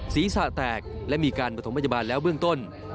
ศีรษะแตกและมีการประถมพยาบาลแล้วเบื้องต้น